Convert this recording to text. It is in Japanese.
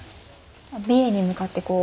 美瑛に向かってこう。